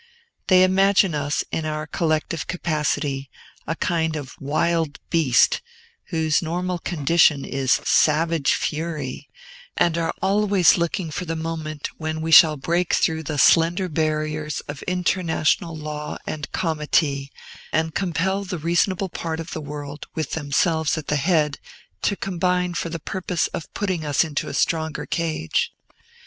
They imagine us, in our collective capacity, a kind of wild beast, whose normal condition is savage fury, and are always looking for the moment when we shall break through the slender barriers of international law and comity, and compel the reasonable part of the world, with themselves at the head, to combine for the purpose of putting us into a stronger cage.